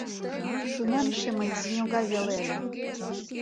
— Тунам эше мый изи ньога веле ыльым.